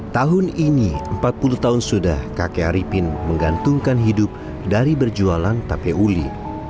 tahun ini empat puluh tahun sudah kakek arifin menggantungkan hidup dari berjualan tape uli